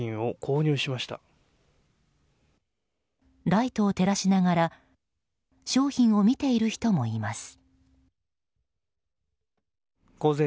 ライトを照らしながら商品を見ている人もいます。